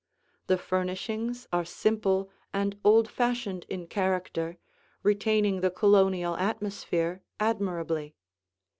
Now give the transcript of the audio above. The furnishings are simple and old fashioned in character, retaining the Colonial atmosphere admirably.